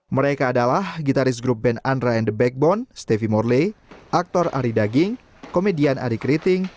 mereka adalah gitaris grup band andra and the backbone stevi morley aktor ari daging komedian ari keriting